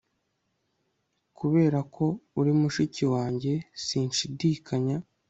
Kuberako uri mushiki wanjye sinshidikanya